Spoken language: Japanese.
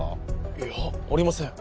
いやありません。